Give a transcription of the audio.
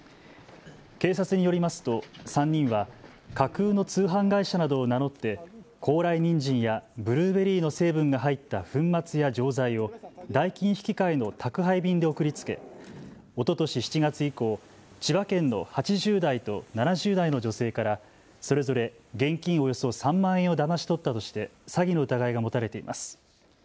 警察によりますと３人は架空の通販会社などを名乗って高麗にんじんやブルーベリーの成分が入った粉末や錠剤を代金引換の宅配便で送りつけおととし７月以降、千葉県の８０代と７０代の女性からそれぞれ現金およそ３万円をだまし取ったとして詐欺の疑いが持たれています。